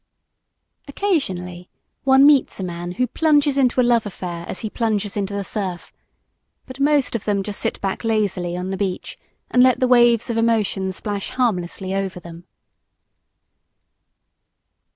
Occasionally one meets a man who plunges into a love affair as he plunges into the surf, but most of them just sit back lazily on the beach and let the waves of emotion splash harmlessly over them.